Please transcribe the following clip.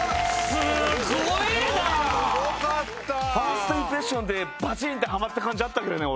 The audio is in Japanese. ファーストインプレッションでバチーンってハマった感じあったけどね俺。